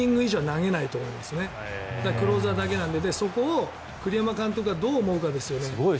投げたとしてもクローザーだけなのでそこを栗山監督がどう思うかですよね。